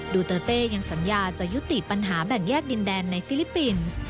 ดูเตอร์เต้ยังสัญญาจะยุติปัญหาแบ่งแยกดินแดนในฟิลิปปินส์